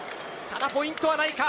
ただポイントはないか。